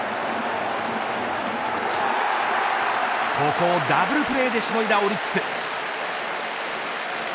ここをダブルプレーでしのいだオリックス。